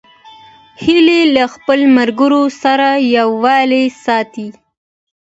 هیلۍ له خپلو ملګرو سره یووالی ساتي